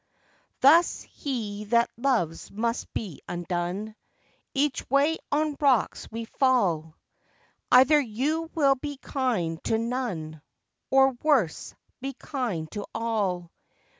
Thus he that loves must be undone, Each way on rocks we fall; Either you will be kind to none, Or worse, be kind to all.